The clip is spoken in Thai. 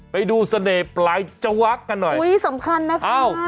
ไปดูเสน่ห์ปลายจวักกันหน่อยอุ้ยสำคัญนะคะ